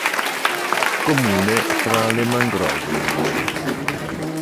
Comune tra le mangrovie.